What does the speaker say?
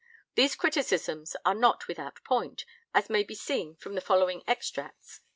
These criticisms are not without point, as may be seen from the following extracts.